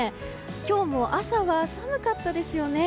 今日も朝は寒かったですよね。